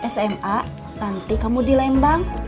sma nanti kamu di lembang